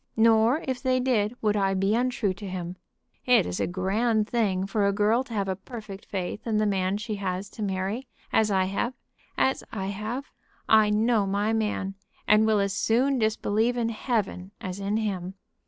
Nor, if they did, would I be untrue to him. It is a grand thing for a girl to have a perfect faith in the man she has to marry, as I have as I have. I know my man, and will as soon disbelieve in Heaven as in him.